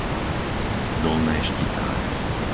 Dolné Štitáre